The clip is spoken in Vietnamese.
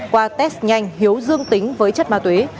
qua test nhanh hiếu dương tính với chất ma túy